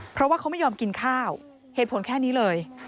เพราะว่าเขาไม่ยอมกินข้าวเหตุผลแค่นี้เลย